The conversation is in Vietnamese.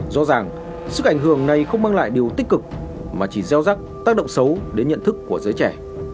rõ ràng sức ảnh hưởng này không mang lại điều tích cực mà chỉ gieo rắc tác động xấu đến nhận thức của giới trẻ